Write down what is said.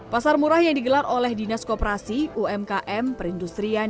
pasar murah yang digelar oleh dinas koperasi umkm perindustrian